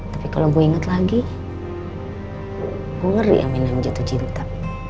tapi kalau gue inget lagi gue ngeri yang mainin namanya jatuh cinta